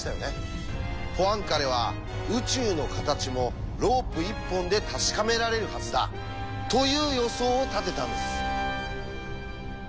ポアンカレは「宇宙の形もロープ１本で確かめられるはずだ」という予想を立てたんです。